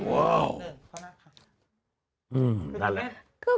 อืมนั่นแหละ